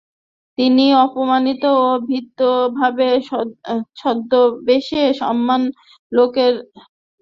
তিনি অপমানিত ও ভীত ভাবে ছদ্মবেশে সামান্য লোকের মতো একাকী পলায়ন করিতে লাগিলেন।